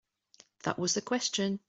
That was the question.